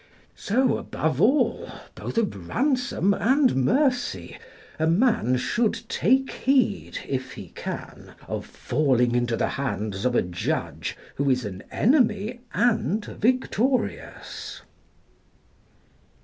So above all both of ransom and mercy a man should take heed, if he can, of falling into the hands of a judge who is an enemy and victorious.